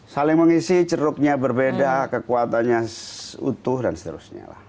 saling mengisi ceruknya berbeda kekuatannya utuh dan seterusnya lah